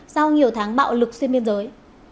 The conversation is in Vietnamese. sau nhiều tháng bạo lực xuyên biên giới